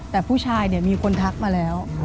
แต่ผู้ชายเนี่ยมีคนทักมาแล้ว